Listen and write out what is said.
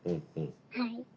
はい。